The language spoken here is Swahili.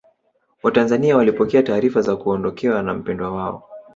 watanzania walipokea taarifa za kuondokewa na mpendwa wao